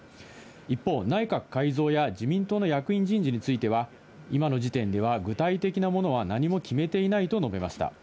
一方、内閣改造や自民党の役員人事については、今の時点では具体的なものは何も決めていないと述べました。